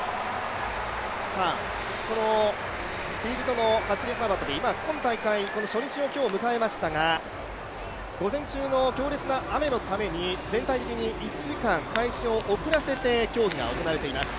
このフィールドの走幅跳この初日の今日を迎えましたが、午前中の強烈な雨のために全体的に１時間、開始を遅らせて競技が行われています。